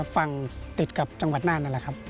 ฟังติดกับจังหวัดนั่น